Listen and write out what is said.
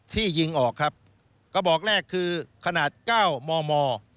ที่ยิงออกครับกระบอกแรกคือขนาดเก้ามอมอ